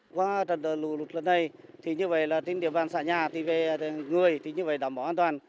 qua trận đợt lụt lần này thì như vậy là tín điểm văn xã nhà thì về người thì như vậy đảm bảo an toàn